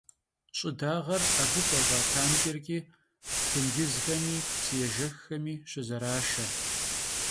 Ş'ıdağer abı xueş'a tankêrç'i têncızxemi psıêjjexxemi şızeraşşe.